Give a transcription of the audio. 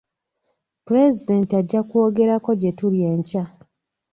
Pulezidenti ajja kwogerako gye tuli enkya.